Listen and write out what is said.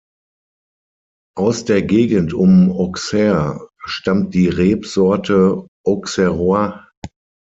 Aus der Gegend um Auxerre stammt die Rebsorte Auxerrois.